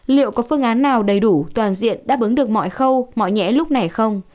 liệu có phương án nào đầy đủ toàn diện đáp ứng được mọi khâu mọi ngẽ lúc này không